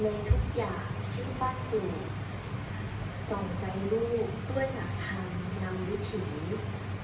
ในทุกอย่างที่ฝันอยู่ส่องใจลูกด้วยหนักธรรมนำวิถี